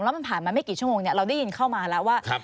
แล้วมันผ่านมาไม่กี่ชั่วโมงเราได้ยินเข้ามาแล้วว่า